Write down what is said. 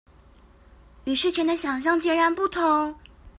與事前的想像截然不同